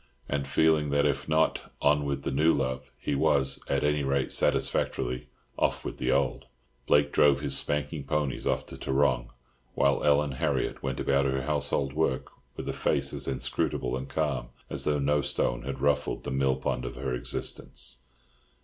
And feeling that if not "on with the new love," he was, at any rate, satisfactorily "off with the old," Blake drove his spanking ponies off to Tarrong, while Ellen Harriott went about her household work with a face as inscrutable and calm as though no stone had ruffled the mill pond of her existence.